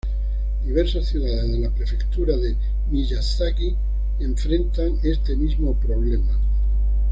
Diversas ciudades de la prefectura de Miyazaki enfrentan este mismo problema.